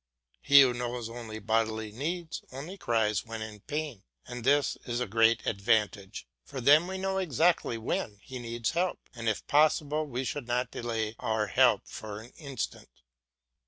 He who knows only bodily needs, only cries when in pain; and this is a great advantage, for then we know exactly when he needs help, and if possible we should not delay our help for an instant.